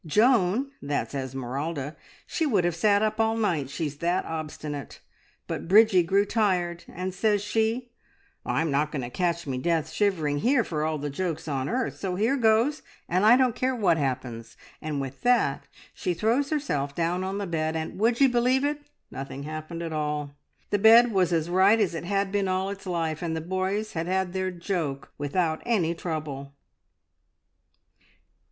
Joan that's Esmeralda she would have sat up all night, she's that obstinate, but Bridgie grew tired, and says she, `I'm not going to catch me death shivering here for all the jokes on earth, so here goes, and I don't care what happens!' and with that she throws herself down on the bed; and would ye believe it? nothing happened at all. The bed was as right as it had been all its life, and the boys had had their joke without any trouble."